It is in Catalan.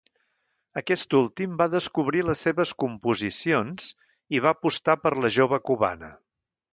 Aquest últim va descobrir les seves composicions i va apostar per la jove cubana.